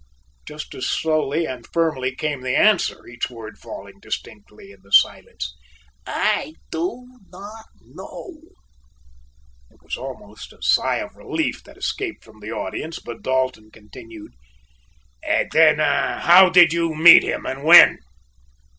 Just as slowly and firmly came the answer, each word falling distinctly in the stillness. "I do not know." It was almost a sigh of relief that escaped from the audience, but Dalton continued: "Then how did you meet him and when?"